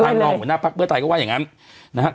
รองหัวหน้าภักดิ์เพื่อไทยก็ว่าอย่างนั้นนะฮะ